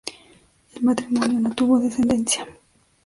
El matrimonio no tuvo descendencia.